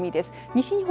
西日本